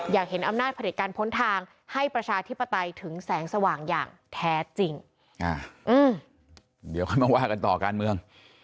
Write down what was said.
อย่างน้อยที่สุด